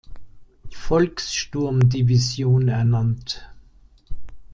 Volkssturm-Division ernannt.